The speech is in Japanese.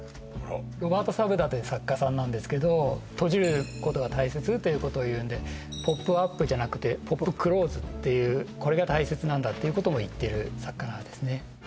ロバート・サブダという作家さんなんですけど閉じることが大切ということをいうんでポップアップじゃなくてポップクローズっていうこれが大切なんだっていうことを言ってる作家なんですね